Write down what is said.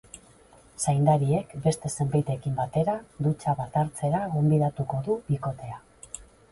Zaindariek beste zenbaitekin batera dutxa bat hartzera gonbidatuko du bikotea.